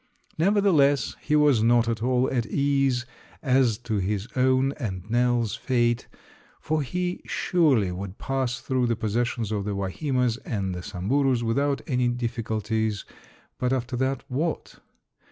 Nevertheless, he was not at all at ease as to his own and Nell's fate, for he surely would pass through the possessions of the Wahimas and the Samburus without any difficulties, but after that, what?